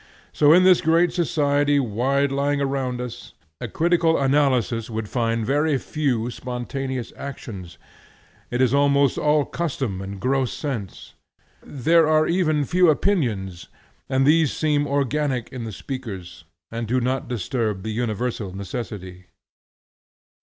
So in this great society wide lying around us, a critical analysis would find very few spontaneous actions. It is almost all custom and gross sense. There are even few opinions, and these seem organic in the speakers, and do not disturb the universal necessity.